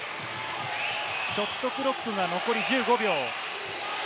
ショットクロックが残り１５秒。